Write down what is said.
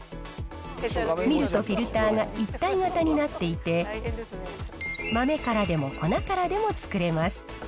ミルとフィルターが一体型になっていて、豆からでも粉からでも作れます。